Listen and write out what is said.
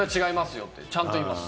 よってちゃんと言います。